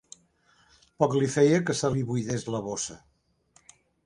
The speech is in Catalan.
Poc li feia que se li buidés la bossa